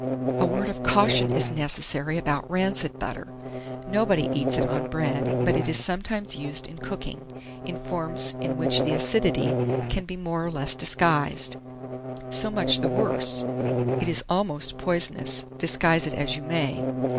A word of caution is necessary about rancid butter. Nobody eats it on bread, but it is sometimes used in cooking, in forms in which the acidity can be more or less disguised. So much the worse; it is almost poisonous, disguise it as you may.